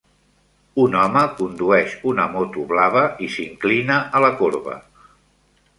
Un home condueix una moto blava i s'inclina a la corba.